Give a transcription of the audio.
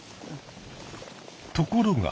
ところが。